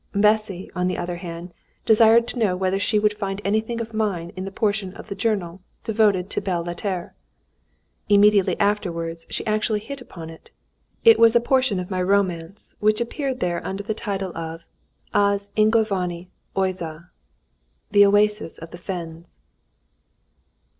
Bessy, on the other hand, desired to know whether she would find anything of mine in the portion of the journal devoted to the Belles Lettres. Immediately afterwards she actually hit upon it. It was a portion of my romance, which appeared there under the title of "Az ingovány oáza" "The Oasis of the Fens."